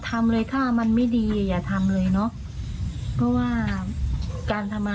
ไปทำอะไรที่ไม่ดีกับใคร